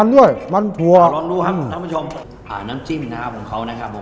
ด้วยมันพัวลองดูครับท่านผู้ชมอ่าน้ำจิ้มนะครับของเขานะครับผม